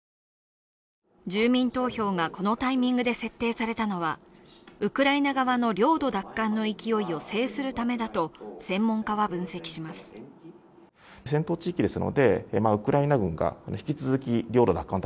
住民投票がこのタイミングで設定されたのは、ウクライナ側の領土奪還の勢いを制するためだと専門家は分析します。